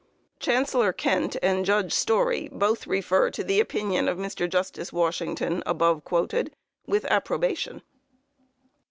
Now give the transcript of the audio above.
Chancellor Kent and Judge Story both refer to the opinion of Mr. Justice Washington, above quoted, with approbation.